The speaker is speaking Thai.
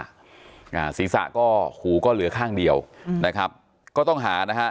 อ่าศีรษะก็หูก็เหลือข้างเดียวอืมนะครับก็ต้องหานะฮะ